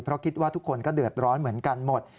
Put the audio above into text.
เพราะคิดว่าทุกคนก็เดือดร้อนเหมือนกันหมด